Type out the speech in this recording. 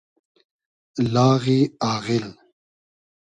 لاغی آغیل